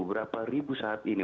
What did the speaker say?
berapa ribu saat ini